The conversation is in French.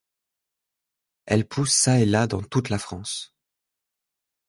Elle pousse çà et là dans toute la France.